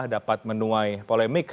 dapat menuai polemik